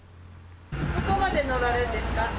どこまで乗られるんですか？